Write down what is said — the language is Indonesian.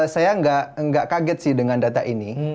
saya nggak kaget sih dengan data ini